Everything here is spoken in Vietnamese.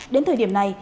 đến thời điểm này